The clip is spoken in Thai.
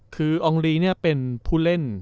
คืออองลีเนี่ยเป็นผู้เล่น